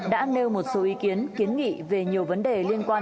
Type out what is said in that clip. đã nêu một số ý kiến kiến nghị về nhiều vấn đề liên quan